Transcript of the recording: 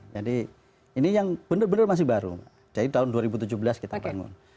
jadi ini yang benar benar masih baru jadi tahun dua ribu tujuh belas kita bangun